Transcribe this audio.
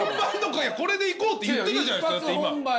これでいこうって言ってたじゃないですか今。